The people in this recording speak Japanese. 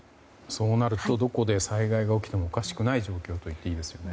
そうなるとどこで災害が起きてもおかしくない状況と言っていいですよね。